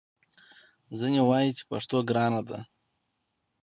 ځینې وايي چې پښتو ګرانه ده